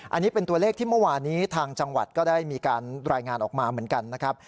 อันนี้เป็นตัวเลขที่เมื่อวานี้ทางจังหวัดก็ได้มีการรายงานออกมาเหมือนกันนะครับ